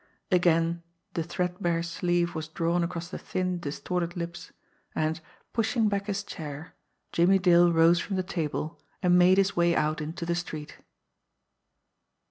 Again the threadbare sleeve was drawn across the thin, distorted lips, and, pushing back his chair, Jimmie Dale rose from the table and made his way out into the street.